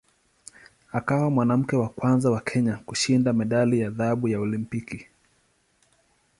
Akawa mwanamke wa kwanza wa Kenya kushinda medali ya dhahabu ya Olimpiki.